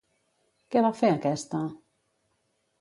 Què va fer aquesta?